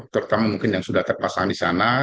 terutama mungkin yang sudah terpasang di sana